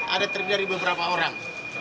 ada terjadi beberapa orang